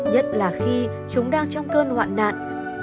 nhất là khi chúng đang trong cơn hoạn nạn